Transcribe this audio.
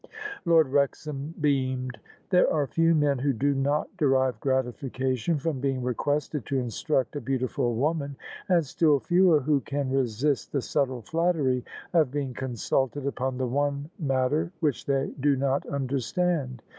Lord Wrexham beamed. There are few men who do not derive gratification from being requested to instruct a beauti ful woman and still fewer who can resist the subtle flattery of being consulted upon the one matter which they do not understand.